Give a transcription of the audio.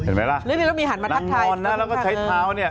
นางนอนแล้วใช้เท้านี่